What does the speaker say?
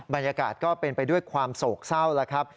บรรยากาศก็เป็นไปด้วยความโศกเศร้าแล้วครับ